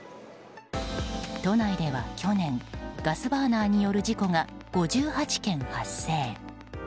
都内では去年ガスバーナーによる事故が５８件発生。